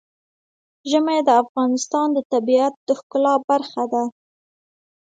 ژمی د افغانستان د طبیعت د ښکلا برخه ده.